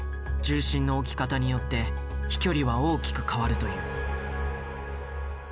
重心の置き方によって飛距離は大きく変わるという。